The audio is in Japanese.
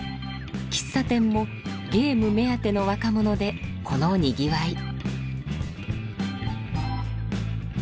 喫茶店もゲーム目当ての若者でこのにぎわい。